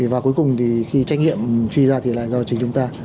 và cuối cùng thì khi trách nhiệm truy ra thì là do chính chúng ta